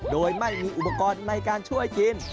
โดยไม่มีอุปกรณ์ในการช่วยกิน